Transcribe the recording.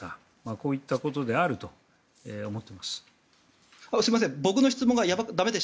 こういったことであると思っています。